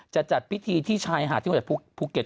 จะจัดพิธีที่ชายหาดที่หลังจากภูเก็ต